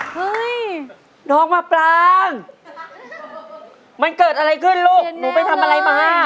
เฮ้ยน้องมะปรางมันเกิดอะไรขึ้นลูกหนูไปทำอะไรมา